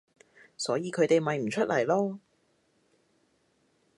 所以佢哋咪唔出嚟囉